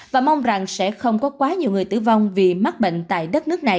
và mong rằng sẽ không có quá nhiều người tử vong vì mắc bệnh tại đất nước này